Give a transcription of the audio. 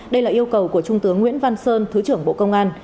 đây là yêu cầu của trung tướng nguyễn văn sơn thứ trưởng bộ công an